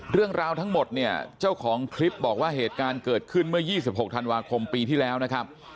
เรื่องราวทั้งหมดเนี่ยเจ้าของคลิปบอกว่าเหตุการณ์เกิดขึ้นเมื่อ๒๖ธันวาคมปีที่แล้วนะครับ